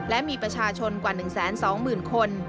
และมีประชาชนกว่า๑๒๐๐๐คน